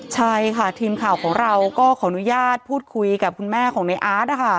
ใช่ค่ะทีมข่าวของเราก็ขออนุญาตพูดคุยกับคุณแม่ของในอาร์ต